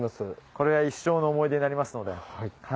これは一生の思い出になりますので。